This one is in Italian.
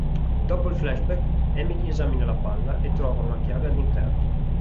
Dopo il flashback, Emily esamina la palla e trova una chiave all'interno.